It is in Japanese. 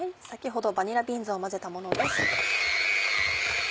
先ほどバニラビーンズを混ぜたものです。